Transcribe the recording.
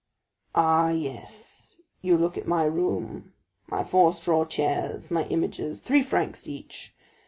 Ah, yes; you look at my room, my four straw chairs, my images, three francs each.